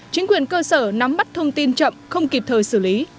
chính quyền cơ sở nắm bắt thông tin chậm không kịp thời xử lý